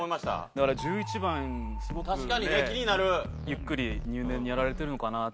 だから１１番すごくねゆっくり入念にやられてるのかなって。